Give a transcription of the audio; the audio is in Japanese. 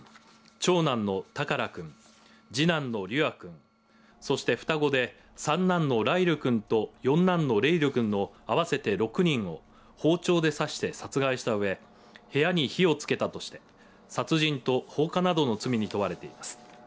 長男の幸虎くん次男の龍煌くんそして双子で三男の頼瑠くんと四男の澪瑠くんの合わせて６人を包丁で刺して殺害したうえ部屋に火をつけたとして殺人と放火などの罪に問われています。